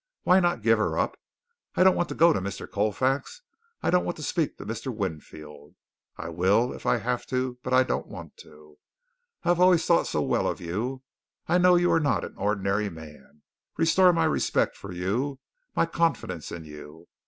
Why not give her up? I don't want to go to Mr. Colfax. I don't want to speak to Mr. Winfield. I will, if I have to, but I don't want to. I have always thought so well of you. I know you are not an ordinary man. Restore my respect for you, my confidence in you.